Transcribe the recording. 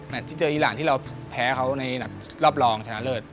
ที่เจออีรานที่เราแพ้เขาในรอบรองชนะเลิศ